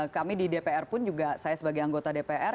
kami di dpr pun juga saya sebagai anggota dpr